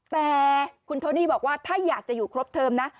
แต่คุณโทนี่บอกว่าถ้าอยากจะอยู่ครบเทิมนะ